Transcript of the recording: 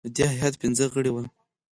د دې هیات پنځه غړي وه.